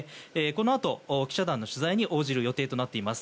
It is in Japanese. このあと記者団の取材に応じる予定となっています。